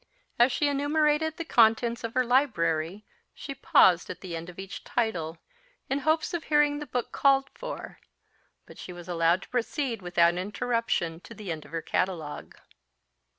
As she enumerated the contents of her library, she paused at the end of each title, in hopes of hearing the book called for; but she was allowed to proceed without interruption to the end of her catalogue.